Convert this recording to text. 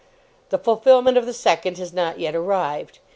The fulfilment of the second has not yet arrived.